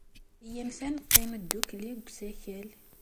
Iyyamt ad neqqim ddukkli deg usakal.